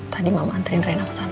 tadi mama anterin reina kesana